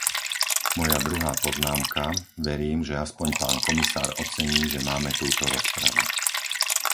Moja druhá poznámka, verím, že aspoň pán komisár ocení, že máme túto rozpravu.